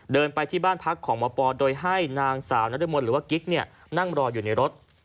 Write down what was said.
เดินไปที่บ้านพักของหมอปอโดยให้นางสาวนรมนหรือว่ากิ๊กนั่งรออยู่ในรถ